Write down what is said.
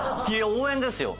応援ですよ。